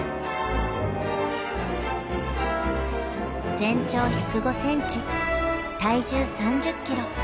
全長１０５センチ体重３０キロ。